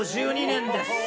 ５２年です。